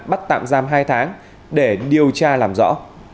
bắt tạm giam hai tháng để điều tra làm rõ